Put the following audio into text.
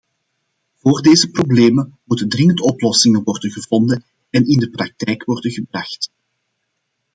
Voor deze problemen moeten dringend oplossingen worden gevonden en in de praktijk worden gebracht.